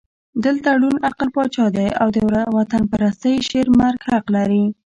دلته ړوند عقل پاچا دی او د وطنپرستۍ شعر مرګ حق لري.